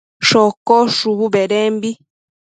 shocosh shubu bedembi